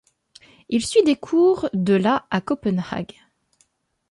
Il suit les cours de la à Copenhague.